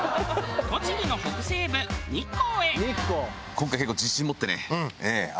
栃木の北西部日光へ。